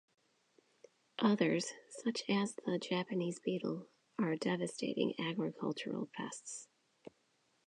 Others, such as the Japanese beetle, are devastating agricultural pests.